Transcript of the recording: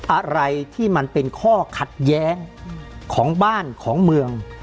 อะไรที่มันเป็นข้อขัดแย้งของบ้านของเมือง